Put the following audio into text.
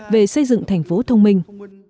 về xây dựng thành phố thông minh